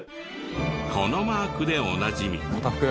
このマークでおなじみ